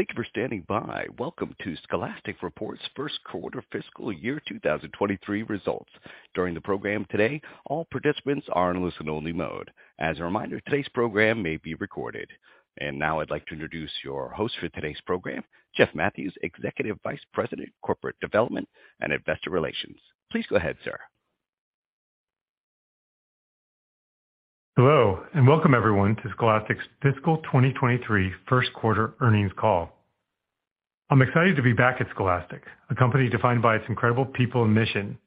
Thank you for standing by. Welcome to Scholastic Corporation's Q1 Fiscal Year 2023 results. During the program today, all participants are in listen-only mode. As a reminder, today's program may be recorded. Now I'd like to introduce your host for today's program, Jeffrey Mathews, Executive Vice President, Corporate Development and Investor Relations. Please go ahead, sir. Hello, and welcome everyone to Scholastic's fiscal 2023 Q1 earnings call. I'm excited to be back at Scholastic, a company defined by its incredible people and mission.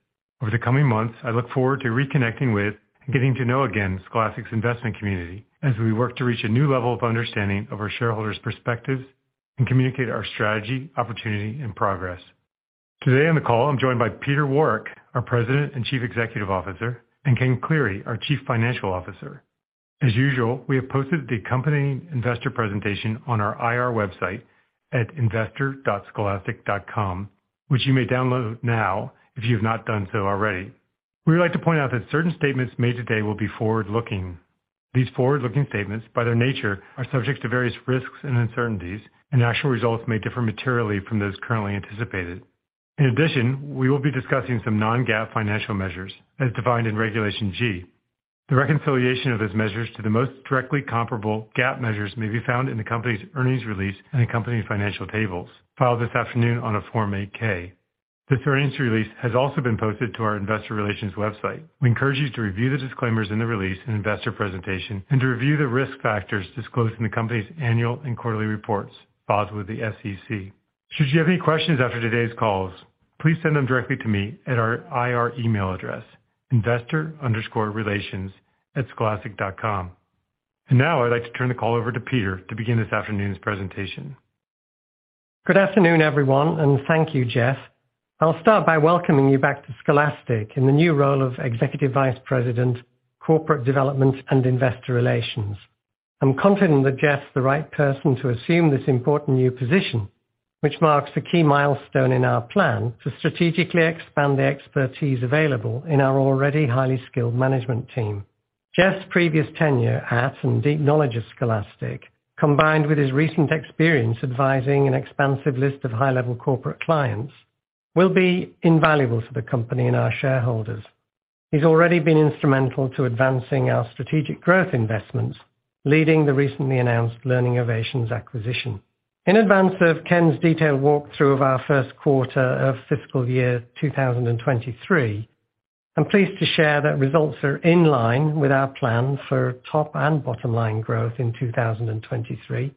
Over the coming months, I look forward to reconnecting with and getting to know again Scholastic's investment community as we work to reach a new level of understanding of our shareholders' perspectives and communicate our strategy, opportunity, and progress. Today on the call, I'm joined by Peter Warwick, our President and Chief Executive Officer, and Ken Cleary, our Chief Financial Officer. As usual, we have posted the accompanying investor presentation on our IR website at investor.scholastic.com, which you may download now if you have not done so already. We would like to point out that certain statements made today will be forward-looking. These forward-looking statements, by their nature, are subject to various risks and uncertainties, and actual results may differ materially from those currently anticipated. In addition, we will be discussing some non-GAAP financial measures as defined in Regulation G. The reconciliation of those measures to the most directly comparable GAAP measures may be found in the company's earnings release and accompanying financial tables filed this afternoon on a Form 8-K. This earnings release has also been posted to our investor relations website. We encourage you to review the disclaimers in the release and investor presentation and to review the risk factors disclosed in the company's annual and quarterly reports filed with the SEC. Should you have any questions after today's calls, please send them directly to me at our IR email address, investor_relations@scholastic.com. Now I'd like to turn the call over to Peter to begin this afternoon's presentation. Good afternoon, everyone, and thank you, Jeff. I'll start by welcoming you back to Scholastic in the new role of Executive Vice President, Corporate Development and Investor Relations. I'm confident that Jeff's the right person to assume this important new position, which marks a key milestone in our plan to strategically expand the expertise available in our already highly skilled management team. Jeff's previous tenure at Scholastic and deep knowledge of Scholastic, combined with his recent experience advising an expansive list of high-level corporate clients, will be invaluable to the company and our shareholders. He's already been instrumental to advancing our strategic growth investments, leading the recently announced Learning Ovations acquisition. In advance of Ken's detailed walkthrough of our Q1 of fiscal year 2023, I'm pleased to share that results are in line with our plan for top and bottom line growth in 2023,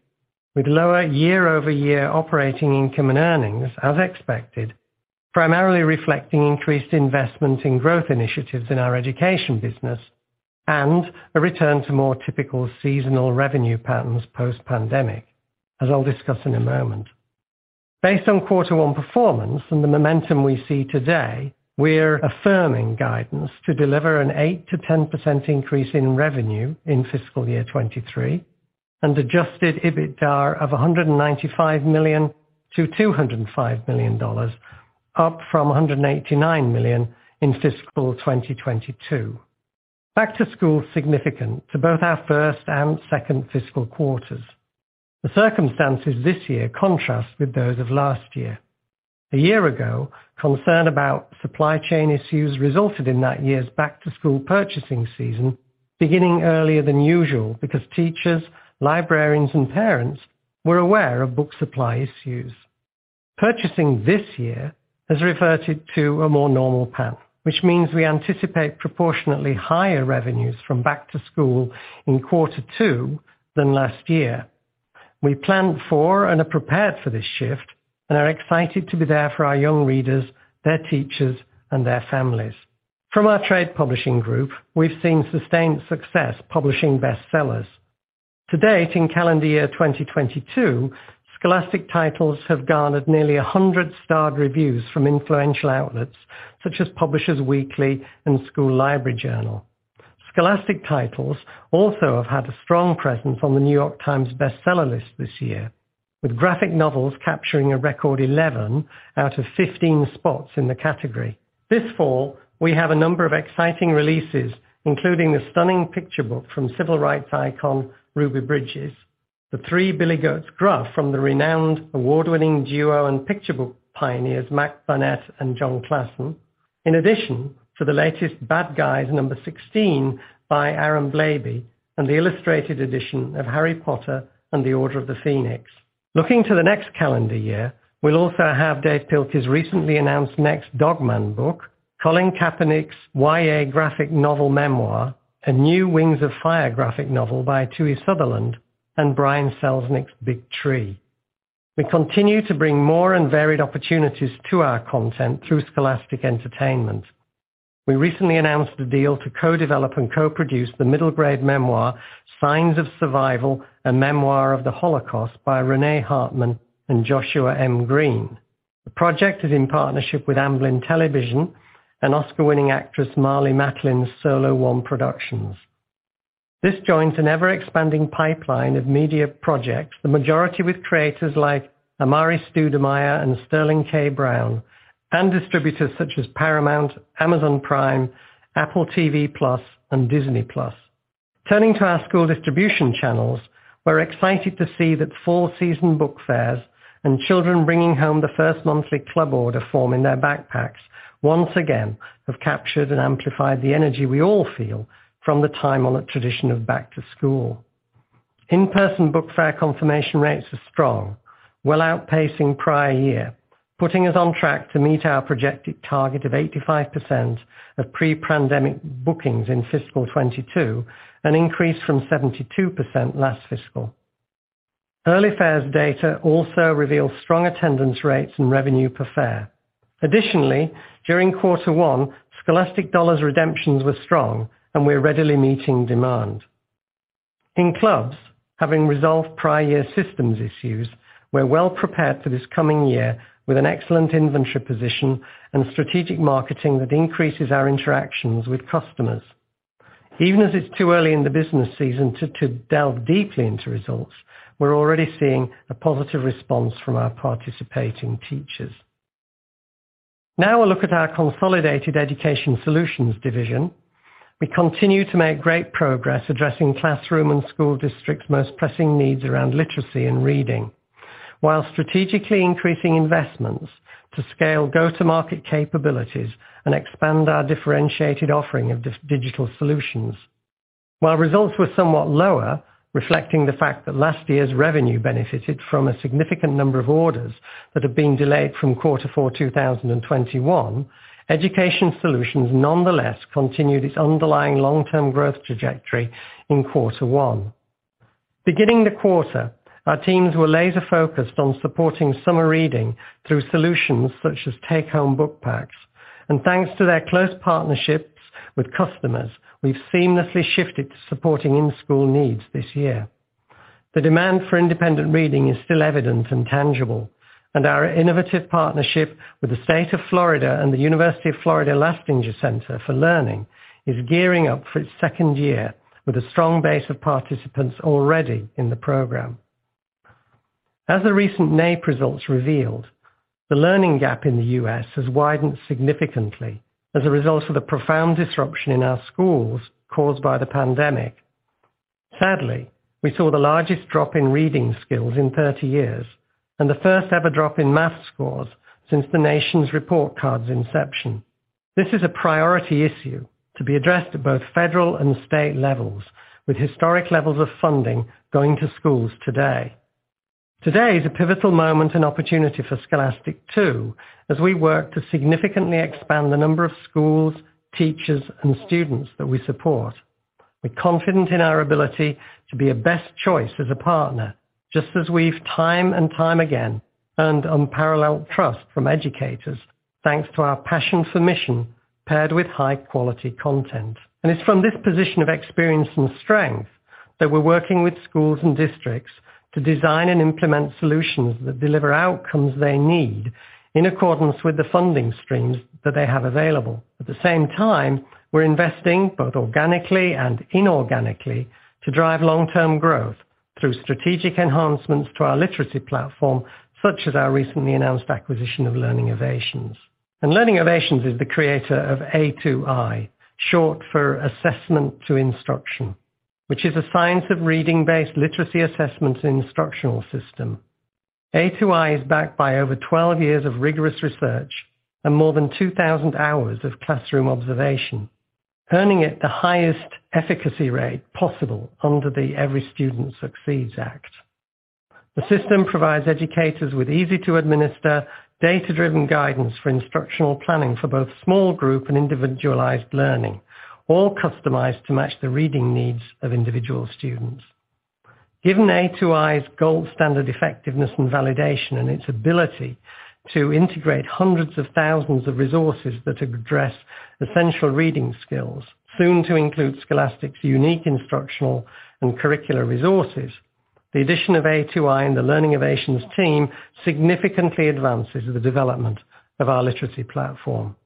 with lower year-over-year operating income and earnings, as expected, primarily reflecting increased investment in growth initiatives in our education business and a return to more typical seasonal revenue patterns post-pandemic, as I'll discuss in a moment. Based on quarter one performance and the momentum we see today, we're affirming guidance to deliver an 8%-10% increase in revenue in fiscal year 2023 and adjusted EBITDA of $195 million-$205 million, up from $189 million in fiscal 2022. Back to school is significant to both our first and second fiscal quarters. The circumstances this year contrast with those of last year. A year ago, concern about supply chain issues resulted in that year's back-to-school purchasing season beginning earlier than usual because teachers, librarians, and parents were aware of book supply issues. Purchasing this year has reverted to a more normal pattern, which means we anticipate proportionately higher revenues from back-to-school in quarter two than last year. We planned for and are prepared for this shift and are excited to be there for our young readers, their teachers, and their families. From our Trade Publishing group, we've seen sustained success publishing bestsellers. To date, in calendar year 2022, Scholastic titles have garnered nearly 100 starred reviews from influential outlets such as Publishers Weekly and School Library Journal. Scholastic titles also have had a strong presence on The New York Times bestseller list this year, with graphic novels capturing a record 11 out of 15 spots in the category. This fall, we have a number of exciting releases, including the stunning picture book from civil rights icon Ruby Bridges, The Three Billy Goats Gruff from the renowned award-winning duo and picture book pioneers Mac Barnett and Jon Klassen, in addition to the latest Bad Guys number 16 by Aaron Blabey and the illustrated edition of Harry Potter and the Order of the Phoenix. Looking to the next calendar year, we'll also have Dav Pilkey's recently announced next Dog Man book, Colin Kaepernick's YA graphic novel memoir, a new Wings of Fire graphic novel by Tui Sutherland, and Brian Selznick's Big Tree. We continue to bring more and varied opportunities to our content through Scholastic Entertainment. We recently announced a deal to co-develop and co-produce the middle-grade memoir Signs of Survival, a memoir of the Holocaust by Renee Hartman and Joshua M. Greene. The project is in partnership with Amblin Television and Oscar-winning actress Marlee Matlin's Solo One Productions. This joins an ever-expanding pipeline of media projects, the majority with creators like Amar'e Stoudemire and Sterling K. Brown and distributors such as Paramount, Amazon Prime, Apple TV+, and Disney+. Turning to our school distribution channels, we're excited to see that fourth season Book Fairs and children bringing home the first monthly club order form in their backpacks, once again, have captured and amplified the energy we all feel from the time-honored tradition of back to school. In-person book fair confirmation rates are strong, well outpacing prior year, putting us on track to meet our projected target of 85% of pre-pandemic bookings in fiscal 2022, an increase from 72% last fiscal. Early fairs data also reveals strong attendance rates and revenue per fair. Additionally, during quarter one, Scholastic Dollars redemptions were strong, and we're readily meeting demand. In clubs, having resolved prior year systems issues, we're well prepared for this coming year with an excellent inventory position and strategic marketing that increases our interactions with customers. Even as it's too early in the business season to delve deeply into results, we're already seeing a positive response from our participating teachers. Now we'll look at our consolidated Education Solutions division. We continue to make great progress addressing classroom and school districts' most pressing needs around literacy and reading, while strategically increasing investments to scale go-to-market capabilities and expand our differentiated offering of digital solutions. While results were somewhat lower, reflecting the fact that last year's revenue benefited from a significant number of orders that have been delayed from quarter four, 2021, Education Solutions nonetheless continued its underlying long-term growth trajectory in quarter one. Beginning the quarter, our teams were laser-focused on supporting summer reading through solutions such as take-home book packs. Thanks to their close partnerships with customers, we've seamlessly shifted to supporting in-school needs this year. The demand for independent reading is still evident and tangible, and our innovative partnership with the State of Florida and the University of Florida Lastinger Center for Learning is gearing up for its second year with a strong base of participants already in the program. As the recent NAEP results revealed, the learning gap in the U.S. has widened significantly as a result of the profound disruption in our schools caused by the pandemic. Sadly, we saw the largest drop in reading skills in 30 years and the first ever drop in math scores since the nation's report card's inception. This is a priority issue to be addressed at both federal and state levels, with historic levels of funding going to schools today. Today is a pivotal moment and opportunity for Scholastic, too, as we work to significantly expand the number of schools, teachers, and students that we support. We're confident in our ability to be a best choice as a partner, just as we've time and time again earned unparalleled trust from educators thanks to our passion for mission paired with high-quality content. It's from this position of experience and strength that we're working with schools and districts to design and implement solutions that deliver outcomes they need in accordance with the funding streams that they have available. At the same time, we're investing, both organically and inorganically, to drive long-term growth through strategic enhancements to our literacy platform, such as our recently announced acquisition of Learning Ovations. Learning Ovations is the creator of A2I, short for Assessment to Instruction, which is a science of reading-based literacy assessment instructional system. A2i is backed by over 12 years of rigorous research and more than 2,000 hours of classroom observation, earning it the highest efficacy rate possible under the Every Student Succeeds Act. The system provides educators with easy-to-administer, data-driven guidance for instructional planning for both small group and individualized learning, all customized to match the reading needs of individual students. Given A2i's gold standard effectiveness and validation, and its ability to integrate hundreds of thousands of resources that address essential reading skills, soon to include Scholastic's unique instructional and curricular resources, the addition of A2i and the Learning Ovations team significantly advances the development of our literacy platform.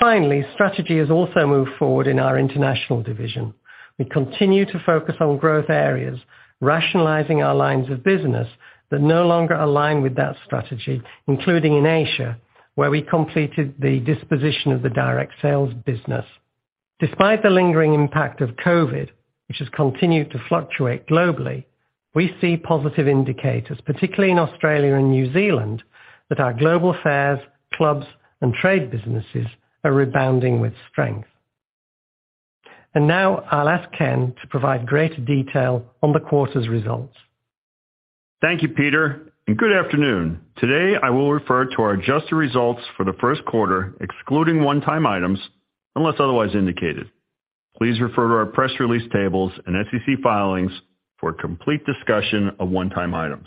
Finally, strategy has also moved forward in our international division. We continue to focus on growth areas, rationalizing our lines of business that no longer align with that strategy, including in Asia, where we completed the disposition of the direct sales business. Despite the lingering impact of COVID, which has continued to fluctuate globally, we see positive indicators, particularly in Australia and New Zealand, that our global fairs, clubs, and trade businesses are rebounding with strength. Now I'll ask Ken to provide greater detail on the quarter's results. Thank you, Peter, and good afternoon. Today, I will refer to our adjusted results for the Q1, excluding one-time items, unless otherwise indicated. Please refer to our press release tables and SEC filings for a complete discussion of one-time items.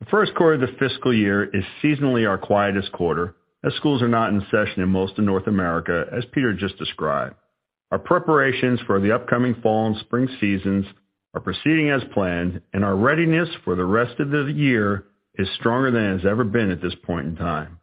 The Q1 of the fiscal year is seasonally our quietest quarter, as schools are not in session in most of North America, as Peter just described. Our preparations for the upcoming fall and spring seasons are proceeding as planned, and our readiness for the rest of the year is stronger than it has ever been at this point in time.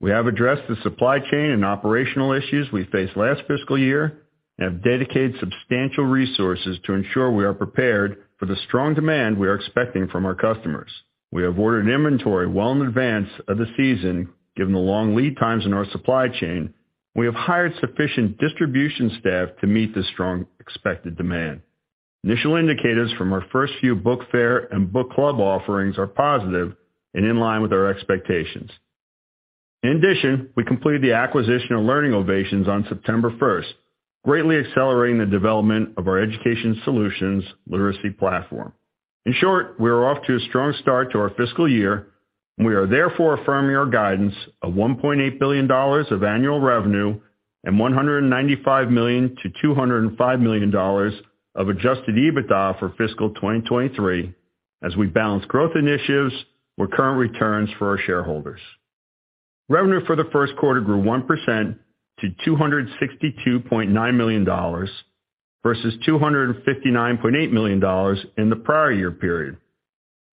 We have addressed the supply chain and operational issues we faced last fiscal year and have dedicated substantial resources to ensure we are prepared for the strong demand we are expecting from our customers. We have ordered inventory well in advance of the season, given the long lead times in our supply chain. We have hired sufficient distribution staff to meet the strong expected demand. Initial indicators from our first few Book Fairs and Book Clubs offerings are positive and in line with our expectations. In addition, we completed the acquisition of Learning Ovations on September first, greatly accelerating the development of our Education Solutions literacy platform. In short, we are off to a strong start to our fiscal year, and we are therefore affirming our guidance of $1.8 billion of annual revenue and $195 million-$205 million of adjusted EBITDA for fiscal 2023 as we balance growth initiatives with current returns for our shareholders. Revenue for the Q1 grew 1% to $262.9 million versus $259.8 million in the prior year period.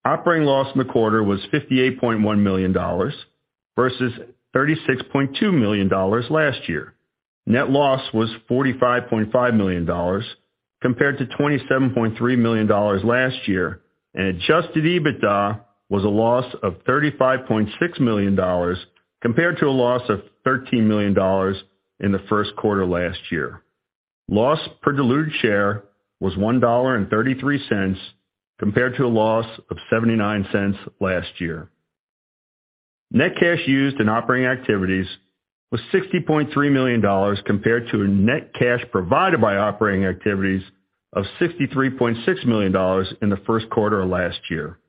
Operating loss in the quarter was $58.1 million versus $36.2 million last year. Net loss was $45.5 million compared to $27.3 million last year. Adjusted EBITDA was a loss of $35.6 million compared to a loss of $13 million in the Q1 last year. Loss per diluted share was $1.33 compared to a loss of $0.79 last year. Net cash used in operating activities was $60.3 million compared to a net cash provided by operating activities of $63.6 million in the Q1 of last year.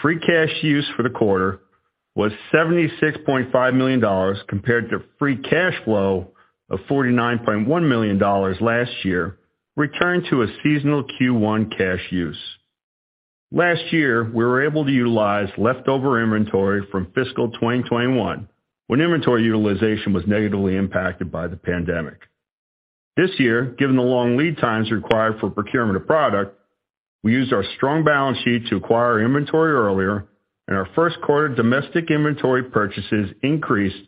Free cash use for the quarter was $76.5 million compared to free cash flow of $49.1 million last year, returning to a seasonal Q1 cash use. Last year, we were able to utilize leftover inventory from fiscal 2021, when inventory utilization was negatively impacted by the pandemic. This year, given the long lead times required for procurement of product, we used our strong balance sheet to acquire inventory earlier, and our Q1 domestic inventory purchases increased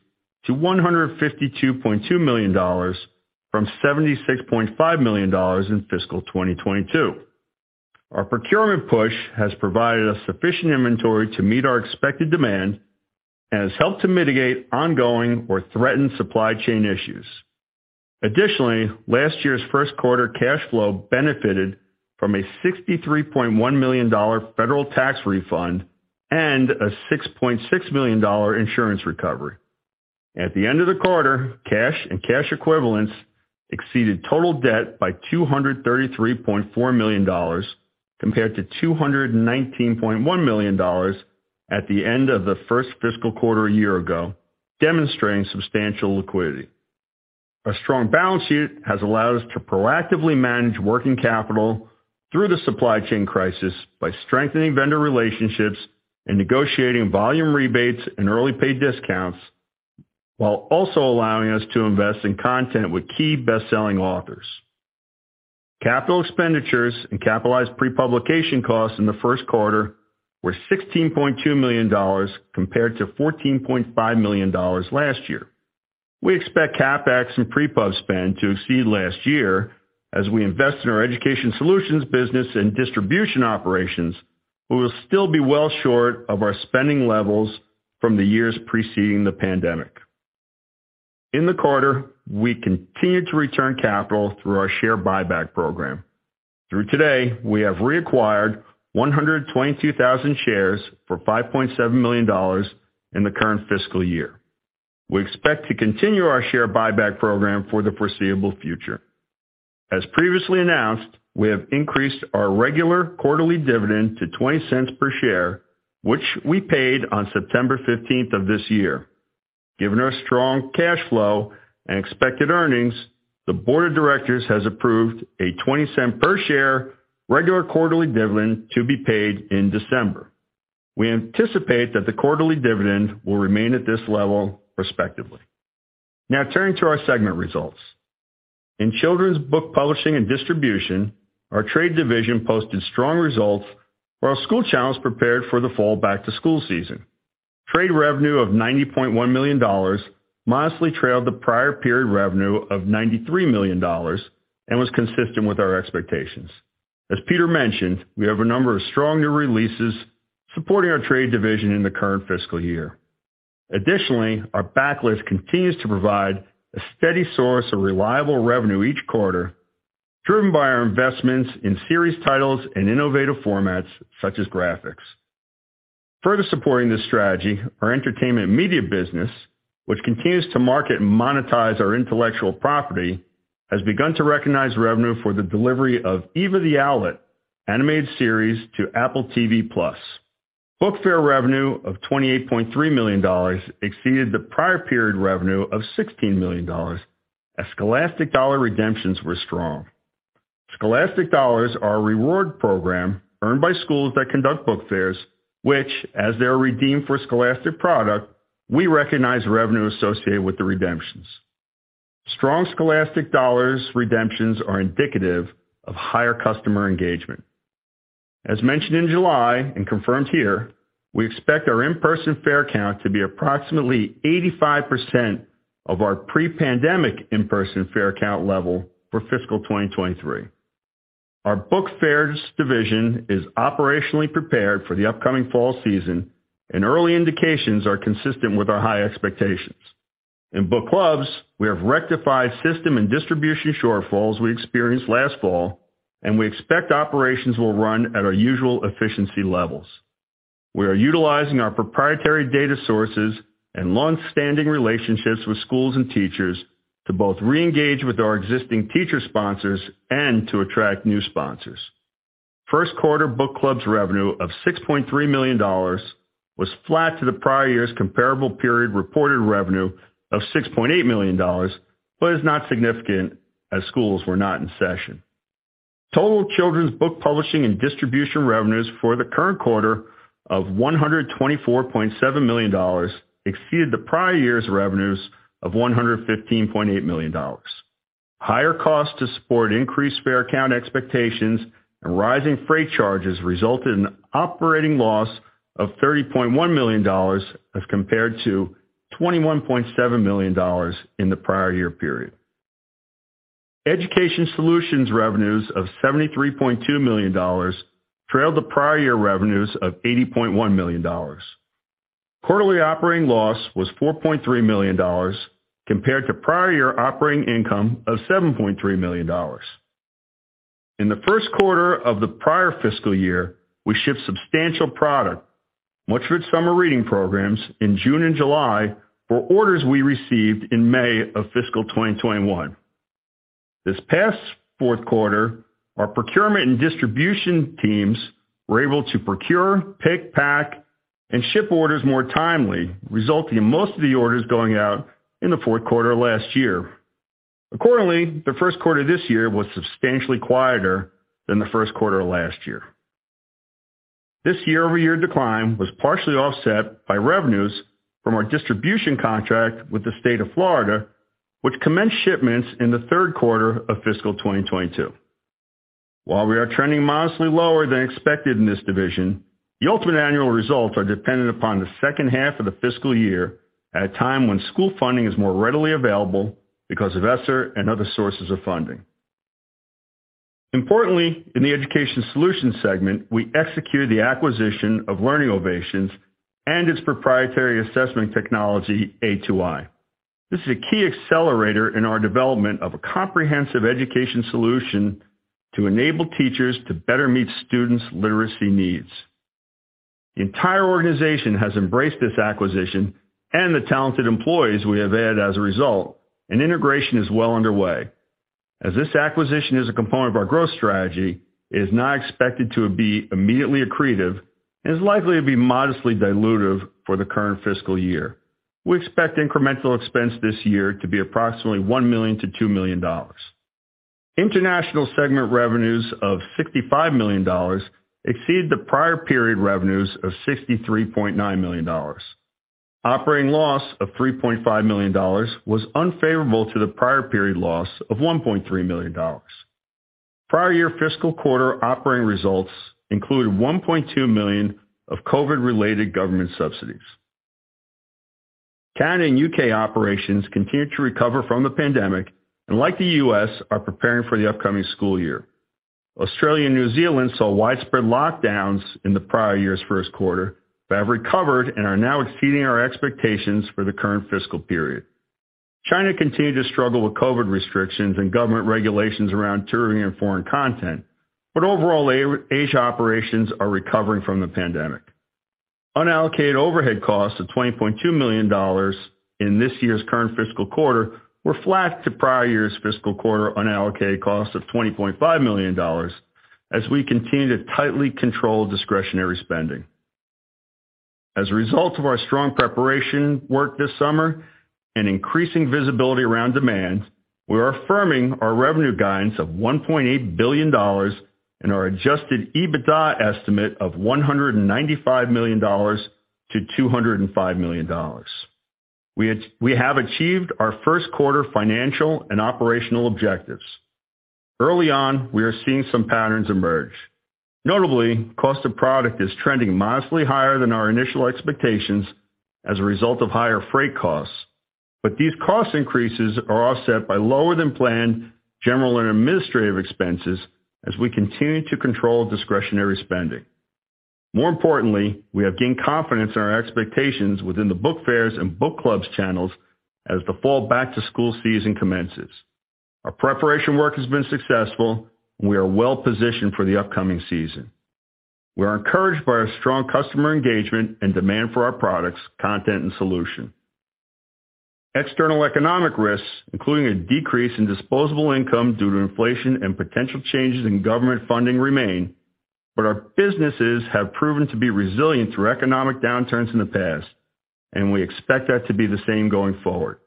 to $152.2 million from $76.5 million in fiscal 2022. Our procurement push has provided us sufficient inventory to meet our expected demand and has helped to mitigate ongoing or threatened supply chain issues. Additionally, last year's Q1 cash flow benefited from a $63.1 million federal tax refund and a $6.6 million insurance recovery. At the end of the quarter, cash and cash equivalents exceeded total debt by $233.4 million compared to $219.1 million at the end of the first fiscal quarter a year ago, demonstrating substantial liquidity. Our strong balance sheet has allowed us to proactively manage working capital through the supply chain crisis by strengthening vendor relationships and negotiating volume rebates and early pay discounts while also allowing us to invest in content with key best-selling authors. Capital expenditures and capitalized pre-publication costs in the Q1 were $16.2 million compared to $14.5 million last year. We expect CapEx and pre-pub spend to exceed last year as we invest in our Education Solutions business and distribution operations, but we will still be well short of our spending levels from the years preceding the pandemic. In the quarter, we continued to return capital through our share buyback program. Through today, we have reacquired 122,000 shares for $5.7 million in the current fiscal year. We expect to continue our share buyback program for the foreseeable future. As previously announced, we have increased our regular quarterly dividend to 20 cents per share, which we paid on September 15th of this year. Given our strong cash flow and expected earnings, the board of directors has approved a 20-cent per share regular quarterly dividend to be paid in December. We anticipate that the quarterly dividend will remain at this level respectively. Now turning to our segment results. In Children's Book Publishing and Distribution, our trade division posted strong results while our school channels prepared for the fall back-to-school season. Trade revenue of $90.1 million modestly trailed the prior period revenue of $93 million and was consistent with our expectations. As Peter mentioned, we have a number of strong new releases supporting our trade division in the current fiscal year. Additionally, our backlist continues to provide a steady source of reliable revenue each quarter, driven by our investments in series titles and innovative formats such as graphics. Further supporting this strategy, our entertainment media business, which continues to market and monetize our intellectual property, has begun to recognize revenue for the delivery of Eva the Owlet animated series to Apple TV+. Book Fairs revenue of $28.3 million exceeded the prior period revenue of $16 million as Scholastic Dollars redemptions were strong. Scholastic Dollars are a reward program earned by schools that conduct Book Fairs, which, as they are redeemed for Scholastic product, we recognize revenue associated with the redemptions. Strong Scholastic Dollars redemptions are indicative of higher customer engagement. As mentioned in July and confirmed here, we expect our in-person fair count to be approximately 85% of our pre-pandemic in-person fair count level for fiscal 2023. Our Book Fairs division is operationally prepared for the upcoming fall season, and early indications are consistent with our high expectations. In Book Clubs, we have rectified system and distribution shortfalls we experienced last fall, and we expect operations will run at our usual efficiency levels. We are utilizing our proprietary data sources and longstanding relationships with schools and teachers to both reengage with our existing teacher sponsors and to attract new sponsors. Q1 Book Clubs revenue of $6.3 million was flat to the prior year's comparable period reported revenue of $6.8 million, but is not significant as schools were not in session. Total Children's Book Publishing and Distribution revenues for the current quarter of $124.7 million exceeded the prior year's revenues of $115.8 million. Higher costs to support increased fair count expectations and rising freight charges resulted in operating loss of $30.1 million as compared to $21.7 million in the prior year period. Education Solutions revenues of $73.2 million trailed the prior year revenues of $80.1 million. Quarterly operating loss was $4.3 million compared to prior year operating income of $7.3 million. In the Q1 of the prior fiscal year, we shipped substantial product, much of it summer reading programs in June and July, for orders we received in May of fiscal 2021. This past Q4, our procurement and distribution teams were able to procure, pick, pack, and ship orders more timely, resulting in most of the orders going out in the Q4 last year. Accordingly, the Q1 this year was substantially quieter than the Q1 of last year. This year-over-year decline was partially offset by revenues from our distribution contract with the state of Florida, which commenced shipments in the Q3 of fiscal 2022. While we are trending modestly lower than expected in this division, the ultimate annual results are dependent upon the H2 of the FY at a time when school funding is more readily available because of ESSER and other sources of funding. Importantly, in the Education Solutions segment, we executed the acquisition of Learning Ovations and its proprietary assessment technology, A2i. This is a key accelerator in our development of a comprehensive education solution to enable teachers to better meet students' literacy needs. The entire organization has embraced this acquisition and the talented employees we have added as a result, and integration is well underway. As this acquisition is a component of our growth strategy, it is not expected to be immediately accretive and is likely to be modestly dilutive for the current fiscal year. We expect incremental expense this year to be approximately $1 million-$2 million. International segment revenues of $65 million exceed the prior period revenues of $63.9 million. Operating loss of $3.5 million was unfavorable to the prior period loss of $1.3 million. Prior year fiscal quarter operating results included $1.2 million of COVID-related government subsidies. Canada and U.K. operations continued to recover from the pandemic, and like the U.S., are preparing for the upcoming school year. Australia and New Zealand saw widespread lockdowns in the prior year's Q1, but have recovered and are now exceeding our expectations for the current fiscal period. China continued to struggle with COVID restrictions and government regulations around touring and foreign content. Overall, Asia operations are recovering from the pandemic. Unallocated overhead costs of $20.2 million in this year's current fiscal quarter were flat to prior year's fiscal quarter unallocated costs of $20.5 million as we continue to tightly control discretionary spending. As a result of our strong preparation work this summer and increasing visibility around demand, we are affirming our revenue guidance of $1.8 billion and our adjusted EBITDA estimate of $195 million-$205 million. We have achieved our Q1 financial and operational objectives. Early on, we are seeing some patterns emerge. Notably, cost of product is trending modestly higher than our initial expectations as a result of higher freight costs. These cost increases are offset by lower than planned general and administrative expenses as we continue to control discretionary spending. More importantly, we have gained confidence in our expectations within the Book Fairs and Book Clubs channels as the fall back-to-school season commences. Our preparation work has been successful. We are well-positioned for the upcoming season. We are encouraged by our strong customer engagement and demand for our products, content and solution. External economic risks, including a decrease in disposable income due to inflation and potential changes in government funding, remain, but our businesses have proven to be resilient through economic downturns in the past, and we expect that to be the same going forward.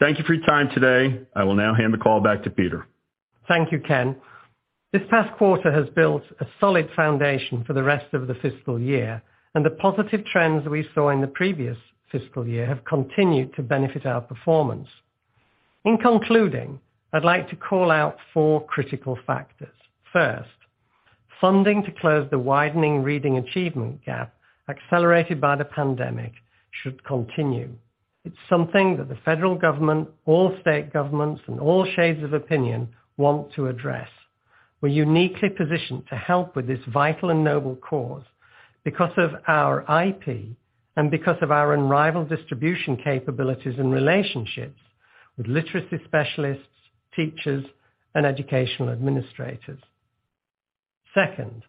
Thank you for your time today. I will now hand the call back to Peter. Thank you, Ken. This past quarter has built a solid foundation for the rest of the fiscal year, and the positive trends we saw in the previous fiscal year have continued to benefit our performance. In concluding, I'd like to call out four critical factors. First, funding to close the widening reading achievement gap accelerated by the pandemic should continue. It's something that the federal government, all state governments, and all shades of opinion want to address. We're uniquely positioned to help with this vital and noble cause because of our IP and because of our unrivaled distribution capabilities and relationships with literacy specialists, teachers, and educational administrators. Second,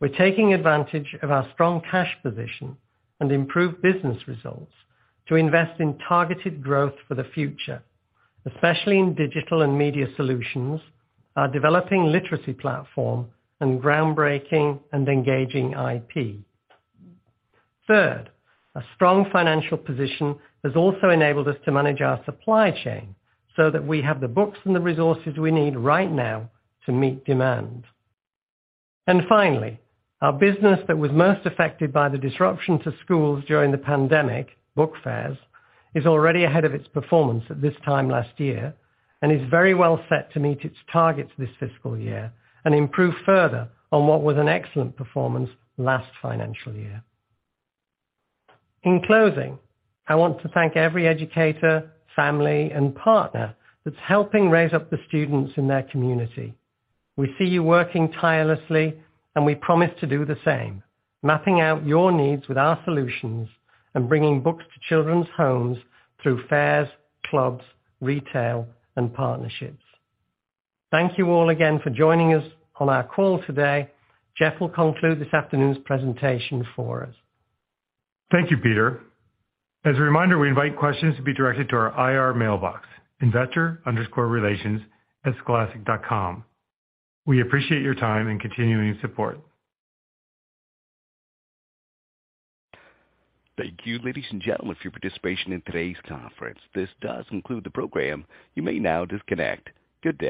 we're taking advantage of our strong cash position and improved business results to invest in targeted growth for the future, especially in digital and media solutions, our developing literacy platform, and groundbreaking and engaging IP. Third, a strong financial position has also enabled us to manage our supply chain so that we have the books and the resources we need right now to meet demand. Finally, our business that was most affected by the disruption to schools during the pandemic, Book Fairs, is already ahead of its performance at this time last year and is very well set to meet its targets this fiscal year and improve further on what was an excellent performance last financial year. In closing, I want to thank every educator, family, and partner that's helping raise up the students in their community. We see you working tirelessly, and we promise to do the same, mapping out your needs with our solutions and bringing books to children's homes through Book Fairs, Book Clubs, retail, and partnerships. Thank you all again for joining us on our call today. Jeff will conclude this afternoon's presentation for us. Thank you, Peter. As a reminder, we invite questions to be directed to our IR mailbox, investor_relations@scholastic.com. We appreciate your time and continuing support. Thank you, ladies and gentlemen, for your participation in today's conference. This does conclude the program. You may now disconnect. Good day.